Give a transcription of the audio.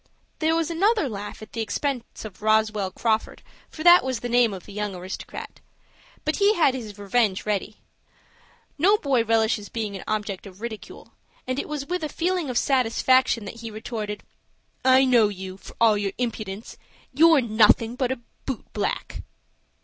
There was another laugh at the expense of Roswell Crawford, for that was the name of the young aristocrat. But he had his revenge ready. No boy relishes being an object of ridicule, and it was with a feeling of satisfaction that he retorted,— "I know you for all your impudence. You're nothing but a boot black."